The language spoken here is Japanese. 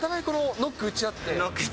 ノック打ち合って。